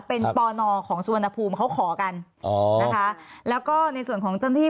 เป็นปนของสวณพูมเขาขอกันนะคะแล้วก็ในส่วนของจ่อนที